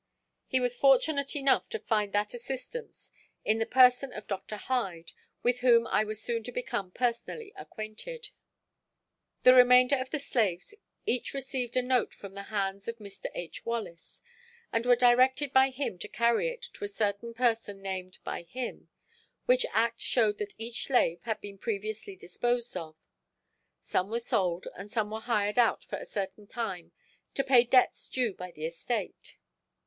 He was fortunate enough to find that assistance in the person of Dr. Hyde, with whom I was soon to become personally acquainted. The remainder of the slaves each received a note from the hands of Mr. H. Wallace, and were directed by him to carry it to a certain person named by him, which act showed that each slave had been previously disposed of. Some were sold and some were hired out for a certain time to pay debts due by the estate.